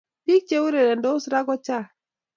Bik che urerendos ra kochang'